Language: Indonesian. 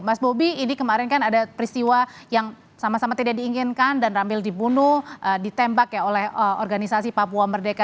mas bobi ini kemarin kan ada peristiwa yang sama sama tidak diinginkan dan rambil dibunuh ditembak ya oleh organisasi papua merdeka